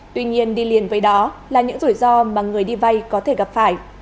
tuy nhiên đi liền với đó là những rủi ro mà người đi vay có thể gặp phải